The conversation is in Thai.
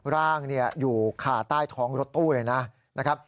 ร่างอยู่คาใต้ท้องรถตู้เลยนะครับ